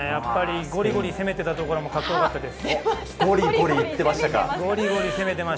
ゴリゴリ攻めていたところもかっこよかったです。